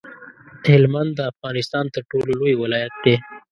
هلمند د افغانستان تر ټولو لوی ولایت دی.